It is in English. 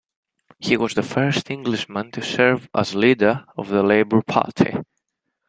He was the first Englishman to serve as leader of the Labour Party.